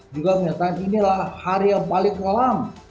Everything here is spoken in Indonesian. juga menyatakan inilah hari yang paling kolam